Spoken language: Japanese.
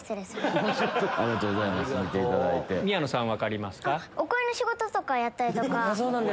宮野さん分かりますか？